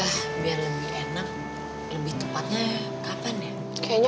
supaya gak bentrok ya